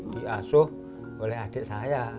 diasuh oleh adik saya